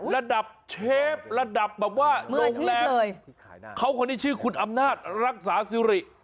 ระดับเชฟระดับแบบว่าโรงแรมเขาคนนี้ชื่อคุณอำนาจรักษาซิริ